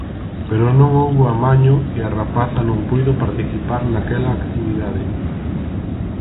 Pero non houbo amaño e a rapaza non puido participar naquela actividade.